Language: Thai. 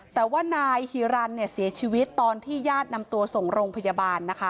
แต่ว่านายฮีรันเนี่ยเสียชีวิตตอนที่ญาตินำตัวส่งโรงพยาบาลนะคะ